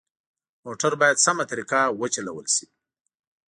موټر باید سمه طریقه وچلول شي.